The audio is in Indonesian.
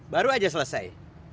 baru aja selesai